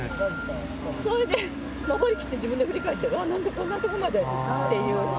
それで、上りきって自分で振り返って、ああ、なんだ、こんな所まで！っていう。